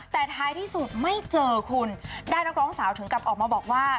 แต่ท้ายที่สุดไม่เจอคุณได้นักร้องสาวถึงกลับออกมาบอกว่า